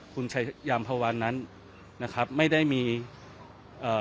คุณชายามพวันนั้นนะครับไม่ได้มีเอ่อ